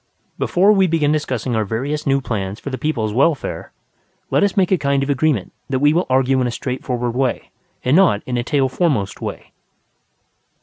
Before we begin discussing our various new plans for the people's welfare, let us make a kind of agreement that we will argue in a straightforward way, and not in a tail foremost way.